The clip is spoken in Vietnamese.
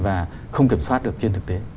và không kiểm soát được trên thực tế